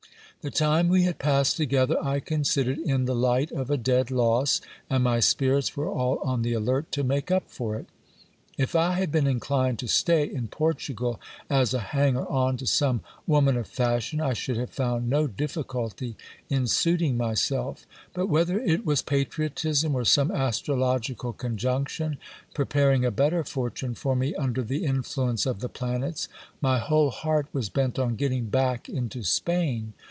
The time we had passed together I considered in the light of a dead loss, and my spirits were all on the alert to make up for it. If I had been inclined to stay in Portugal, as a hanger on to some woman of fash ion, I should have found no difficulty in suiting myself ; but whether it was patriotism, or some astrological conjunction, preparing a better fortune for me under the influence of the planets, my whole heart was bent on getting back into Spain.